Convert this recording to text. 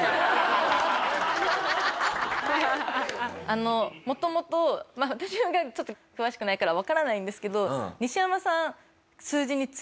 あのもともとまあ私はちょっと詳しくないからわからないんですけど西山さん数字に強いんですよ。